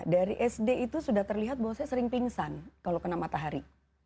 dari sd itu sudah terlihat bahwa saya sering pingsan kalau kena matahari